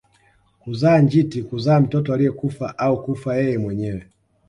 Kuzaa njiti kuzaa mtoto aliyekufa au kufa yeye mwenyewe